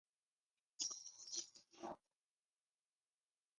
I loved that show.